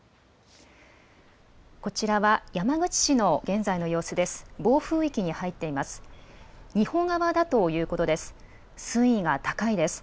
こちらは山口市の現在の様子です。